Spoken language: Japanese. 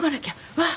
うわっ！